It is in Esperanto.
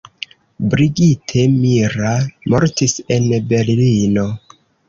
Brigitte Mira mortis en Berlino.